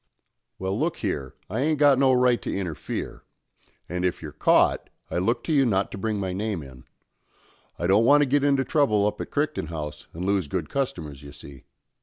"Well, look here, I ain't got no right to interfere; and if you're caught, I look to you not to bring my name in. I don't want to get into trouble up at Crichton House and lose good customers, you see.